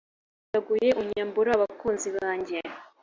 wampondaguye, unyambura abakunzi banjye.